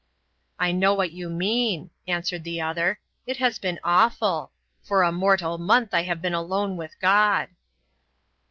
"I know what you mean," answered the other. "It has been awful. For a mortal month I have been alone with God."